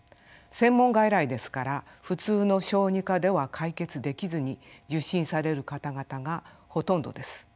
専門外来ですから普通の小児科では解決できずに受診される方々がほとんどです。